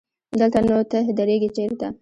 دلته نو ته درېږې چېرته؟